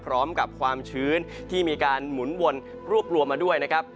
พร้อมกับความชื้นที่มีการหมุนวนรวบรวมมาด้วยนะครับ